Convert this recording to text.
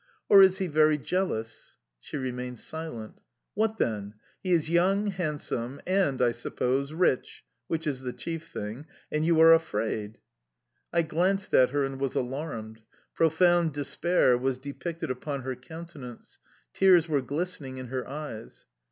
"Or is he very jealous?" She remained silent. "What then? He is young, handsome and, I suppose, rich which is the chief thing and you are afraid?"... I glanced at her and was alarmed. Profound despair was depicted upon her countenance; tears were glistening in her eyes.